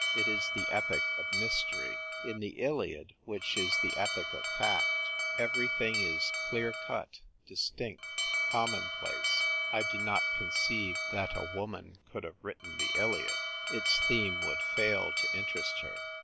It is the epic of mystery. In the Iliad, which is the epic of fact, everything is clear cut, dis tinct, commonplace. I do not conceive that a woman could have written the Iliad. Its theme would fail to interest her.